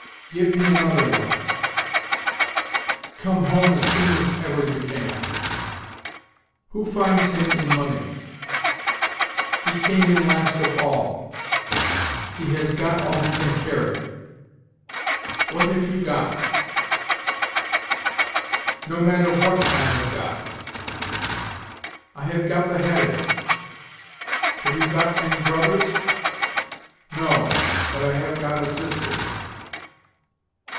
"Give me another one." "Come home as soon as ever you can." "Who finds him in money?" "He came in last of all." "He has got all he can carry." "What have you got?" "No matter what I have got." "I have got the headache." "Have you got any brothers?" "No, but I have got a sister."